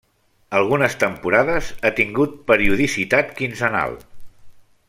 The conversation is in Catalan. Algunes temporades ha tingut periodicitat quinzenal.